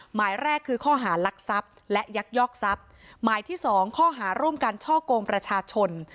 หมายแรกคือข้อหารักทรัพย์และยักยอกทรัพย์หมายที่สองข้อหาร่วมกันช่อกงประชาชน